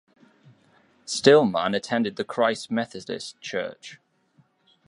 Stillman attended the Christ Methodist Church.